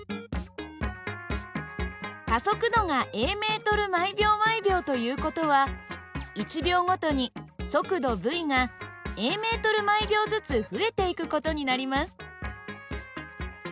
加速度がａｍ／ｓという事は１秒ごとに速度υがａｍ／ｓずつ増えていく事になります。